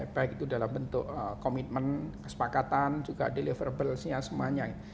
baik itu dalam bentuk komitmen kesepakatan juga deliverable semuanya